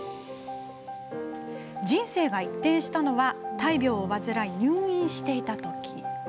人生が一転したのは大病を患い入院していたとき。